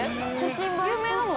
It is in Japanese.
有名なの？